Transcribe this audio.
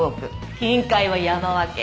金塊は山分け。